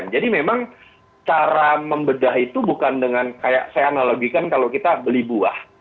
jadi memang cara membedah itu bukan dengan kayak saya analogikan kalau kita beli buah